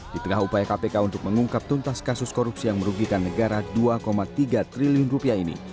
di tengah upaya kpk untuk mengungkap tuntas kasus korupsi yang merugikan negara dua tiga triliun rupiah ini